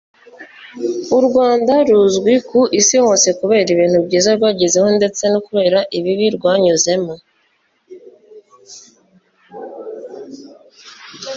u Rwanda ruzwi ku Isi hose kubera ibintu byiza rwagezeho ndetse no kubera ibibi rwanyuzemo